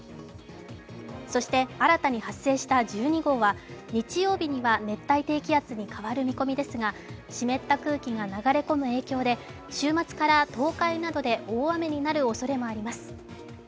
そして新たに発生した１２号は日曜日には熱帯低気圧に変わる見込みですが湿った空気が流れ込む影響で週末から東海などで大雨になるおそれもあります。